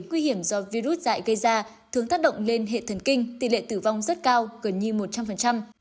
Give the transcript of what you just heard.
nguy hiểm do virus dạy gây ra thường tác động lên hệ thần kinh tỷ lệ tử vong rất cao gần như một trăm linh